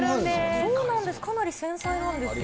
そうなんです、かなり繊細なんですよ。